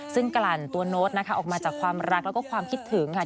ซึ่งกลั่นตัวโน้ตนะคะออกมาจากความรักแล้วก็ความคิดถึงค่ะ